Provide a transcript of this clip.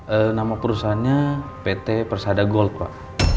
eh nama perusahaannya pt persada gold pak